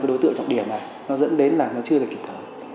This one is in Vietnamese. đối tượng trọng điểm này nó dẫn đến là nó chưa thể kịp thời